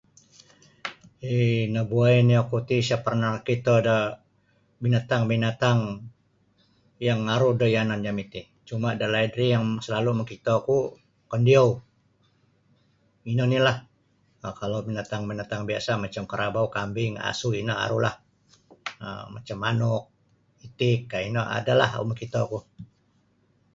um nabuwai nio oku ti sa' parnah nakito da binatang-binatang yang aru da yanan jami' ti cuma' dalaid ri yang salalu' makitoku kandiyou ino onilah um kalau binatang-binatang biasa' macam karabau kambing asu ino arulah macam manuk itik um ino adalah makitoku.